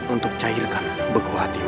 untuk cairkan begu hatimu